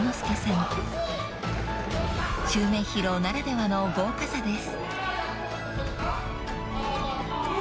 ［襲名披露ならではの豪華さです］